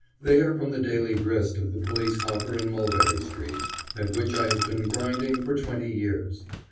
They are from the daily grist of the police hopper in Mulberry street, at which I have been grinding for twenty years.